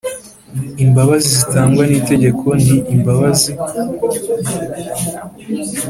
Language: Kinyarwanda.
Imbabazi zitangwa n itegeko ni imbabazi